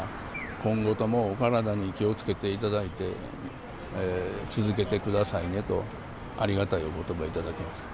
今後ともお体に気をつけていただいて、続けてくださいねと、ありがたいおことば頂きました。